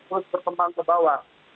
terus berkembang ke bawah